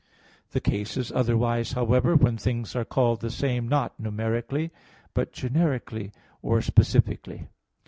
The case is otherwise, however, when things are called the same, not numerically, but generically or specifically.